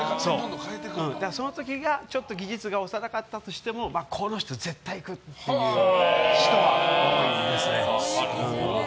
その時がちょっと技術が幼かったとしてもこの人絶対いくっていう人は多いですね。